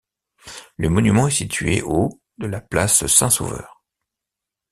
Le monument est situé au de la place Saint-Sauveur.